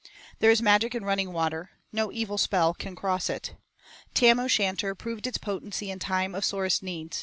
There is magic in running water, no evil spell can cross it. Tam O'Shanter proved its potency in time of sorest need.